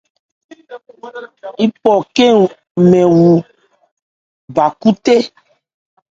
Yípɔ khɛ́n mɛn wu bha khúthé.